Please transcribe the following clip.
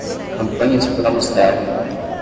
Campanhas por amostragem